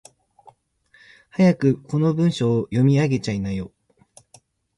早くこの文章を読み上げちゃいなよ。